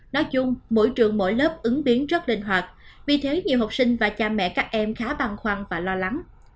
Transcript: nói chung mỗi trường mỗi lớp ứng biến rất linh hoạt vì thế nhiều học sinh và cha mẹ các em khá băn khoăn và lo lắng